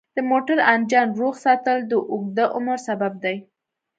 د موټر انجن روغ ساتل د اوږده عمر سبب دی.